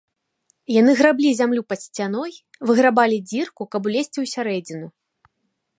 Яны граблі зямлю пад сцяной, выграбалі дзірку, каб улезці ў сярэдзіну.